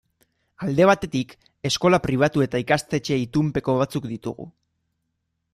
Alde batetik, eskola pribatu eta ikastetxe itunpeko batzuk ditugu.